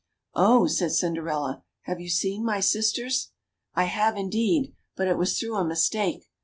Oh ! said Cinderella; have you seen my sisters?" I have, indeed ; but it was through a mistake.